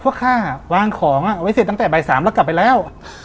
ข้าวางของไว้เสร็จตั้งแต่บ่าย๓แล้วกลับไปแล้ว